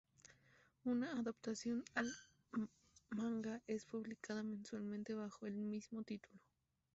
Una adaptación al manga es publicada mensualmente bajo el mismo título.